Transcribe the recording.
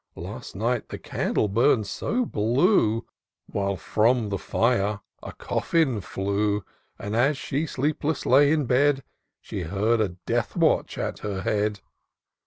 Last nighty the candle burn'd so blue ; While from the fire a coffin flew ; And, as she sleepless lay in bed, She heard a death watch at her head.